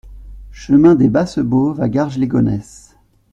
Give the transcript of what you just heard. Chemin des Basses Bauves à Garges-lès-Gonesse